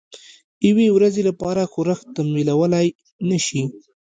یوې ورځې لپاره ښورښ تمویلولای نه شي.